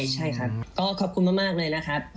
ใช่ครับก็ขอบคุณมากเลยนะครับ